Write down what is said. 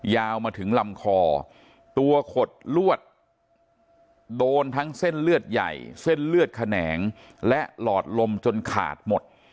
ยาวมาถึงลำคอตัวขดลวดโดนทั้งเส้นเลือดใหญ่เส้นเลือดแขนงและหลอดลมจนขาดหมด